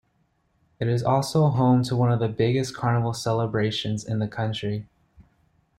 It is also home to one of the biggest carnival celebrations in the country.